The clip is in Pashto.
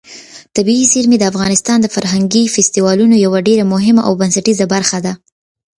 طبیعي زیرمې د افغانستان د فرهنګي فستیوالونو یوه ډېره مهمه او بنسټیزه برخه ده.